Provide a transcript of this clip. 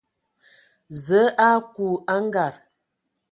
Zǝə a aku a nkad.